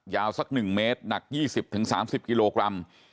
สัก๑เมตรหนัก๒๐๓๐กิโลกรัม